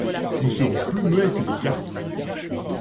Nous serons plus muets que des carpes.